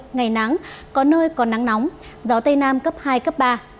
ngày nắng có nơi có nắng nóng gió tây nam cấp hai cấp ba